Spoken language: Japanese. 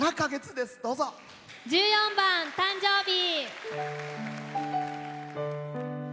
１４番「誕生日」。